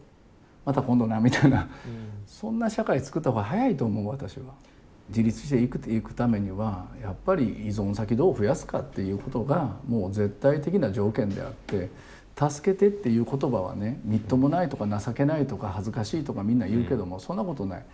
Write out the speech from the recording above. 「また今度な」みたいなそんな社会つくった方が早いと思う私は。っていうことがもう絶対的な条件であって「助けて」っていう言葉はねみっともないとか情けないとか恥ずかしいとかみんな言うけどもそんなことない。